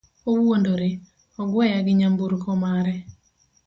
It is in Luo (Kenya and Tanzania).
owuondore, ogweya gi nyamburko mare